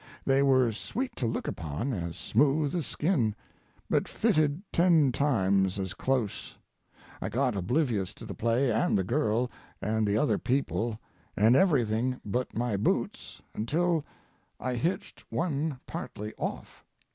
They were sweet to look upon, as smooth as skin, but fitted ten time as close. I got oblivious to the play and the girl and the other people and everything but my boots until—I hitched one partly off.